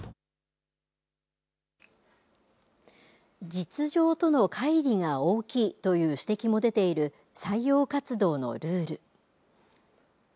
実情とのかい離が大きいという指摘も出ている採用活動のルール。